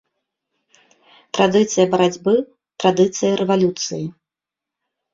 Традыцыя барацьбы, традыцыя рэвалюцыі.